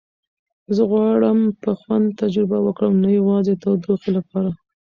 زه غواړم په خوند تجربه وکړم، نه یوازې د تودوخې لپاره.